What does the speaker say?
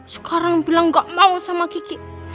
sekarang bilang gak mau sama kiki